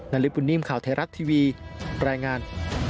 นริปุ่นนิ่มข่าวไทยรักษ์ทีวีแรงงาน